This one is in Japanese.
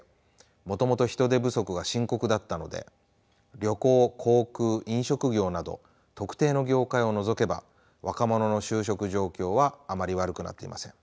もともと人手不足が深刻だったので旅行・航空・飲食業など特定の業界を除けば若者の就職状況はあまり悪くなっていません。